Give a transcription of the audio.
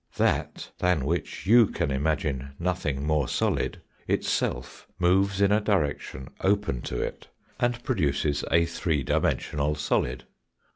That, than which you can imagine nothing more solid, itself moves in a direction open to it and produces a three dimensional 150 THE FOURTH DIMENSION solid.